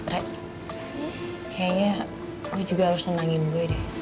re kayaknya gue juga harus ngenangin gue deh